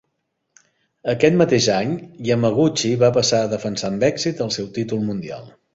Aquest mateix any, Yamaguchi va passar a defensar amb èxit el seu títol mundial.